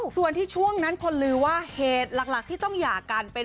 ส่วนที่ช่วงนั้นคนลือว่าเหตุหลักที่ต้องหย่ากันเป็น